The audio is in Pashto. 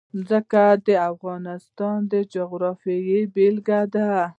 ځمکه د افغانستان د جغرافیې بېلګه ده.